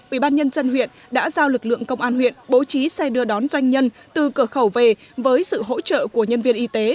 ubnd huyện đã giao lực lượng công an huyện bố trí xe đưa đón doanh nhân từ cửa khẩu về với sự hỗ trợ của nhân viên y tế